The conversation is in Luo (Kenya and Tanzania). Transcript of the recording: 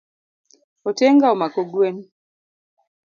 Otenga omako gwen